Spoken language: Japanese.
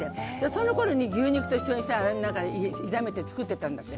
そのころに牛肉と一緒に炒めて作っていたんですって。